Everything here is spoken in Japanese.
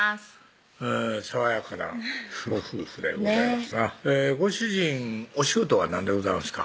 爽やかなご夫婦でございますなねぇご主人お仕事は何でございますか？